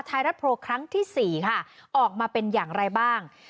ไทยรัฐโพลครั้งที่๔ค่ะออกมาเป็นอย่างไรบ้าง